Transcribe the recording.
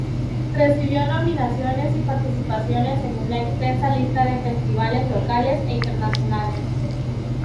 Recibió nominaciones y participaciones en una extensa lista de festivales locales e internacionales.